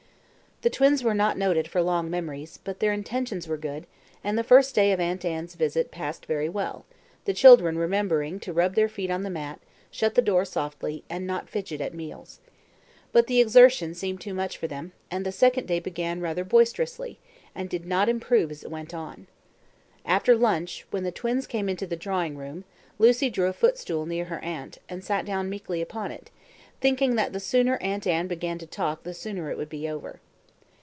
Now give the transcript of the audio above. The twins were not noted for long memories, but their intentions were good, and the first day of Aunt Anne's visit passed very well, the children remembering to rub their feet on the mat, shut the door softly, and not fidget at meals. But the exertion seemed too much for them, and the second day began rather boisterously, and did not improve as it went on. After lunch, when the twins came into the drawing room, Lucy drew a footstool near her aunt, and sat down meekly upon it, thinking that the sooner Aunt Anne began to talk the sooner it would be over.